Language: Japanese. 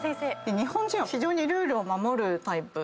日本人はルールを守るタイプ。